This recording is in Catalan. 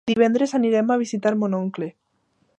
Divendres anirem a visitar mon oncle.